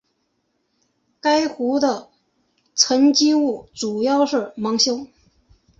该湖的沉积物主要是芒硝。